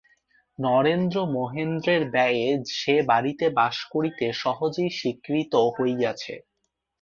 নরেন্দ্র মহেন্দ্রের ব্যয়ে সে বাড়িতে বাস করিতে সহজেই স্বীকৃত হইয়াছে।